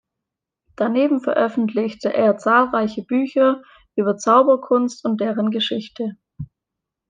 Daneben veröffentlichte er zahlreiche Bücher über Zauberkunst und deren Geschichte.